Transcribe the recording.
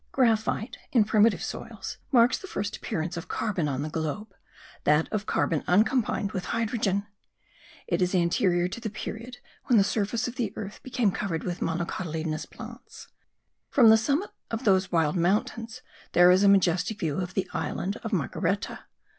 Graphite, in primitive soils, marks the first appearance of carbon on the globe that of carbon uncombined with hydrogen. It is anterior to the period when the surface of the earth became covered with monocotyledonous plants. From the summit of those wild mountains there is a majestic view of the island of Margareta.